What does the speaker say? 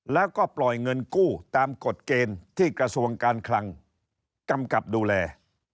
แล้วก็ปล่อยเงินกู้ตามกฎเกณฑ์ที่กระทรวงการคลังกำกับดูแล